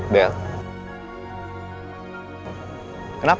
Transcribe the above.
hari yang keras